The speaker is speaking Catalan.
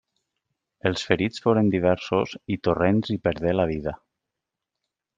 Els ferits foren diversos i Torrents hi perdé la vida.